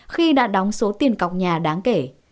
khi đã đóng số tiền cọc nhà đáng kể